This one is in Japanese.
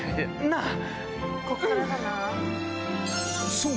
そう！